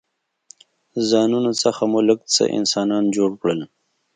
ځانونو څخه مو لږ څه انسانان جوړ کړل.